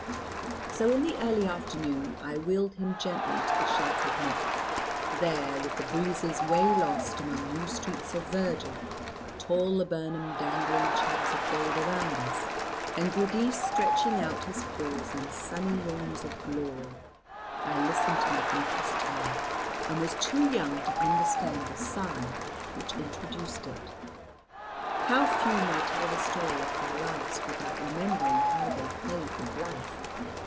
So in the early afternoon, I wheeled him gently to the sheltered nook. There, with the breezes way lost among new streets of verdure, tall laburnum dangling chains of gold around us, and Giudice stretching out his paws in sunny yawns of glory, I listened to my uncle's tale, and was too young to understand the sigh which introduced it. How few may tell the story of their lives without remembering how they played with life!